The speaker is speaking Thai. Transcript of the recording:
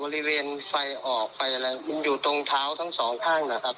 บริเวณไฟออกไฟอะไรมันอยู่ตรงเท้าทั้งสองข้างนะครับ